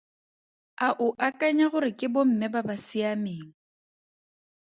A o akanya gore ke bomme ba ba siameng?